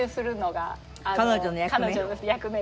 彼女の役目？